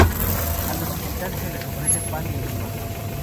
A los visitantes se les ofrece pan y oliva.